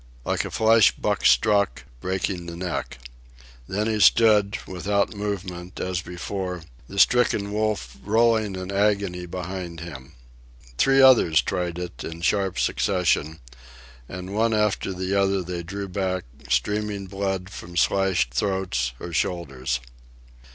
Like a flash Buck struck, breaking the neck. Then he stood, without movement, as before, the stricken wolf rolling in agony behind him. Three others tried it in sharp succession; and one after the other they drew back, streaming blood from slashed throats or shoulders.